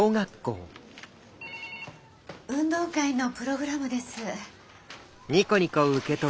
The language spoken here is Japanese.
運動会のプログラムです。